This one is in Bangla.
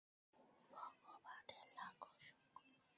ভগবানের লাখো শোকরিয়া!